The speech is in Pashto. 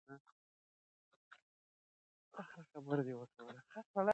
ماشومان په مینه او شفقت وروځئ.